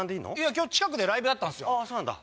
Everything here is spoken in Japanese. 今日近くでライブだったんすよああそうなんだ